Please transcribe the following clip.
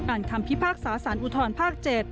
คำพิพากษาสารอุทธรภาค๗